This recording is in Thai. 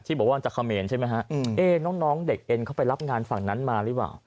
ที่บอกว่าอันจักรเมนใช่ไหมฮะน้องเด็กเอนเขาไปรับงานฝั่งนั้นมาหรือว่า